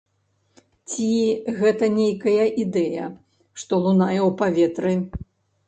Ці гэта нейкая ідэя, што лунае ў паветры.